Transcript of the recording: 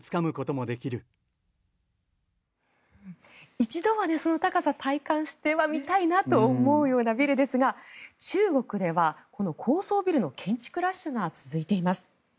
一度はその高さ体感してはみたいなと思うようなビルですが中国では、この高層ビルの建築ラッシュが続いています。